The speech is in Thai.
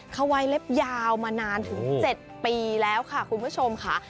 เขาไว้เล็บยาวมานานถึง๗ปีแล้วค่ะคุณผู้ชมค่ะ